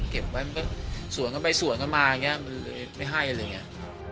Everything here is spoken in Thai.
เก็บไว้มันก็สวนเข้าไปสวนเข้ามาไงมันเลยไม่ให้อะไรเงี้ย